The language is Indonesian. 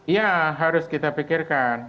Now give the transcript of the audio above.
iya harus kita pikirkan